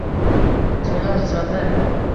kommunal xizmatlar